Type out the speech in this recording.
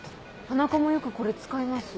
田中もよくこれ使います。